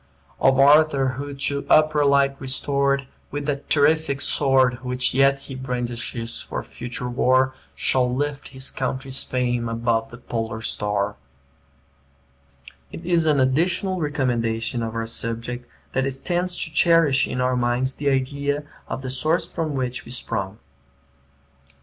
"Of Arthur, who, to upper light restored, With that terrific sword, Which yet he brandishes for future war, Shall lift his country's fame above the polar star." [Footnote: Wordsworth] It is an additional recommendation of our subject, that it tends to cherish in our minds the idea of the source from which we sprung.